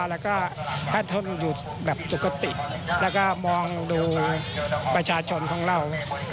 แล้วก็ท่านทนอยู่แบบสุขติแล้วก็มองดูประชาชนของเรา